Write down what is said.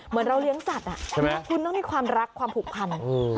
เหมือนเราเลี้ยงสัตว์ใช่ไหมคุณต้องมีความรักความผูกพัน